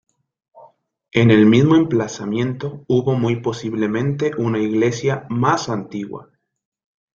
En el mismo emplazamiento hubo muy posiblemente una iglesia más antigua.